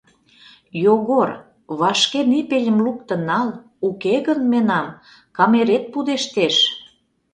— Йогор, вашке нипельым луктын нал, уке гын, менам, камерет пудештеш.